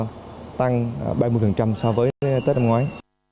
dự trữ tăng trưởng so với tết năm ngoái